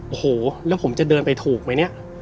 โอ้โหแล้วผมจะเดินไปถูกไหมเนี่ย